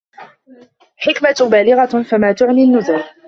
حِكمَةٌ بالِغَةٌ فَما تُغنِ النُّذُرُ